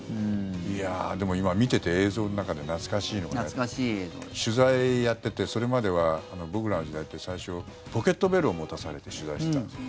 いやあ、でも今、見てて映像の中で懐かしいのが取材やっててそれまでは僕らの時代って最初、ポケットベルを持たされて取材してたんですよ。